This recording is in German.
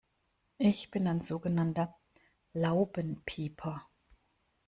Ich bin ein so genannter Laubenpieper.